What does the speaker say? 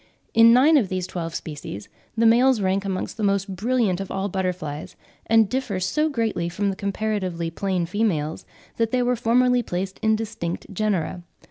In nine of these twelve species the males rank amongst the most brilliant of all butterflies, and differ so greatly from the comparatively plain females that they were formerly placed in distinct genera.